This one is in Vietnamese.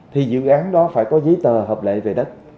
thì dự án đó phải có giấy tờ hợp lệ về đất